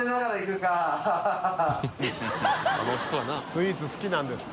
スイーツ好きなんです。